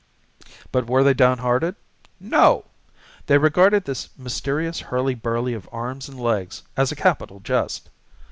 But were they downhearted? No! They regarded this mysterious hurly burly of arms and legs as a capital jest.